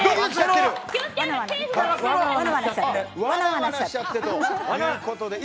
わなわなしちゃって。